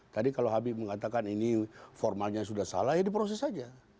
tadi kalau habib mengatakan ini formalnya sudah salah ya diproses saja